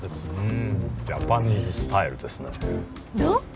うーんジャパニーズスタイルですねどう？